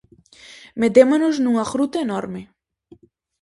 Metémonos nunha gruta enorme.